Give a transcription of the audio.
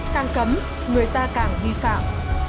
càng cấm người ta càng vi phạm